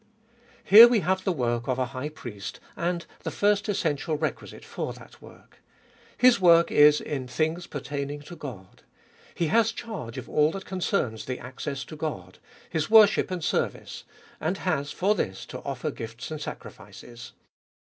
Here we have the work of a high priest, and the first essential requisite for that work. His work is in things pertaining to God; he has charge of all that concerns the access to God, His worship and service, and has, for this, to offer gifts and sacrifices.